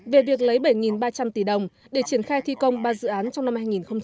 về việc lấy bảy ba trăm linh tỷ đồng để triển khai thi công ba dự án trong năm hai nghìn hai mươi